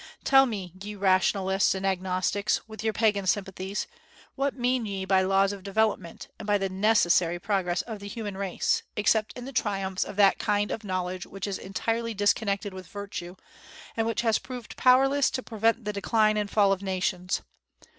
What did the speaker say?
Tell me, ye rationalists and agnostics! with your pagan sympathies, what mean ye by laws of development, and by the necessary progress of the human race, except in the triumphs of that kind of knowledge which is entirely disconnected with virtue, and which has proved powerless to prevent the decline and fall of nations?